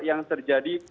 yang terjadi kemudian